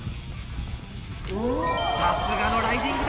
さすがのライディングだ！